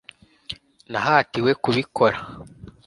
nahatiwe kubikora